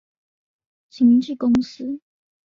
所属经纪公司为。